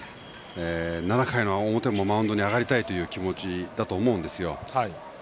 ７回の表もマウンドに上がりたいという気持ちだと思うんですよ。